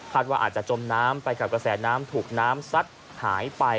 ว่าอาจจะจมน้ำไปกับกระแสน้ำถูกน้ำซัดหายไป